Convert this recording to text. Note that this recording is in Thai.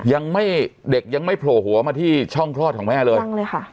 ยังไม่เด็กยังไม่โผล่หัวมาที่ช่องคลอดของแม่เลยยังเลยค่ะ